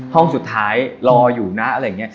ห้องสุดท้ายรออยู่นะอะไรอย่างนี้